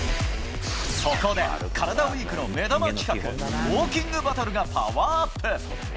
そこで、カラダＷＥＥＫの目玉企画、ウォーキングバトルがパワーアップ。